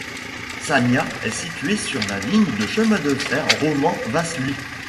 Sagna est situé sur la ligne de chemin de fer Roman-Vaslui.